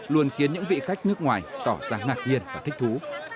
luôn khiến những vị khách nước ngoài tỏ ra ngạc nhiên và thích thú